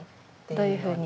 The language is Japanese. どういうふうに？